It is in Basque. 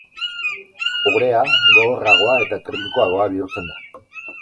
Orea, gogorragoa eta trinkoagoa bihurtzen da.